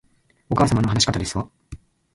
お母様の話し方ですわ